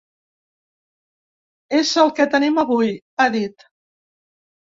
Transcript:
És el que tenim avui, ha dit.